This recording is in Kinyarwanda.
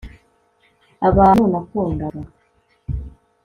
Abantu nakundaga